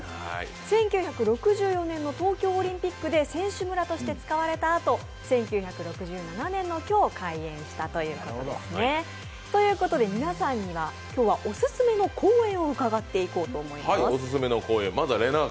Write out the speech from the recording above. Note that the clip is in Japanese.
１９６４年の東京オリンピックで選手村として使われたあと１９６７年の今日、開園したということですね。ということで皆さんにはオススメの公園を伺っていこうと思います。